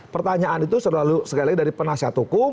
pertanyaan itu dari penasihat hukum